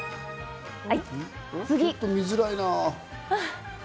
見づらいな。